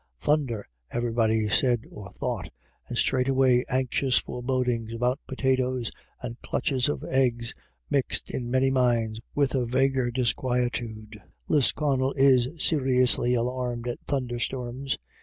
" Thun der," everybody said or thought ; and straightway anxious forebodings about potatoes and clutches THUNDER IN THE AIR. 179 of eggs mixed in many minds with a vaguer dis quietude. Lisconnel is seriously alarmed at thunderstorms.